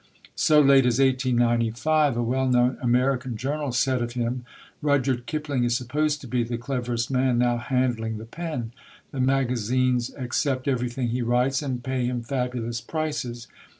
So late as 1895 a well known American journal said of him: "Rudyard Kipling is supposed to be the cleverest man now handling the pen. The magazines accept everything he writes, and pay him fabulous prices.